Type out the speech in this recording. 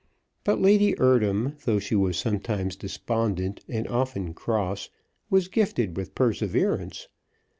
But Lady Eardham, though she was sometimes despondent and often cross, was gifted with perseverance.